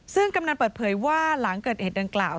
ซึ่งกำนันเปิดเผยว่าหลังเกิดเหตุดังกล่าว